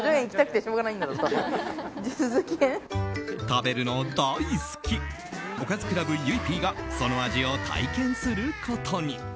食べるの大好きおかずクラブ・ゆいＰがその味を体験することに。